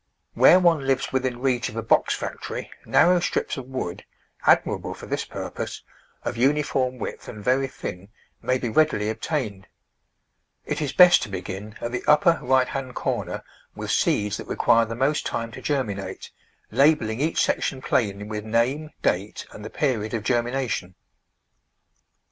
Where one lives within reach of a box factory narrow strips of wood — admirable for this purpose— of uniform width and very thin, may be readily obtained. It is best to begin at the upper right hand corner with seeds that require die most Digitized by Google Four] cfte f&orteto 35 time to germinate, labelling each section plainly with name, date and the period of germination.